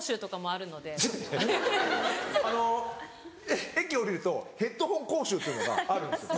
あの駅降りるとヘッドホン講習っていうのがあるんですよ